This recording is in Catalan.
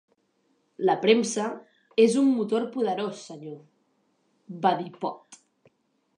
"La premsa és un motor poderós, senyor", va dir Pott.